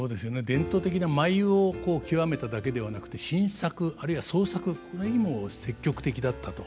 伝統的な舞を究めただけではなくて新作あるいは創作これにも積極的だったと。